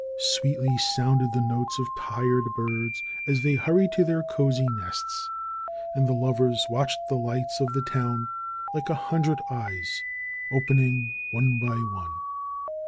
Sweetly sounded the notes of tired birds as they hurried to their cosey nests. And the lovers watched the lights of the town, like a hundred eyes, opening one by one.